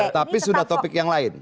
tapi sudah topik yang lain